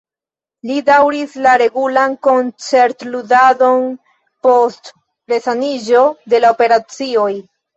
Li daŭris la regulan koncertludadon post resaniĝo de la operacioj.